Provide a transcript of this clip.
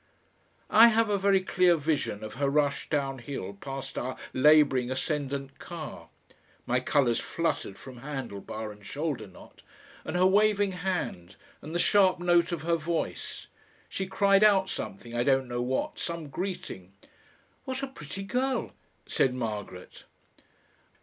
I have a very clear vision of her rush downhill past our labouring ascendant car my colours fluttered from handle bar and shoulder knot and her waving hand and the sharp note of her voice. She cried out something, I don't know what, some greeting. "What a pretty girl!" said Margaret.